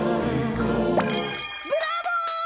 ブラボー！